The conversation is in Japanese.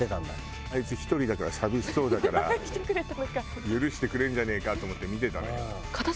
あいつ１人だから寂しそうだから許してくれんじゃねえかと思って見てたのよ。